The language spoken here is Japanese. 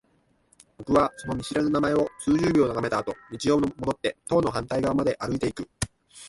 僕はその見知らぬ名前を数十秒眺めたあと、道を戻って棟の反対側まで歩いていく。